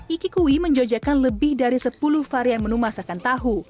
iki kui menjajakan lebih dari sepuluh varian menu masakan tahu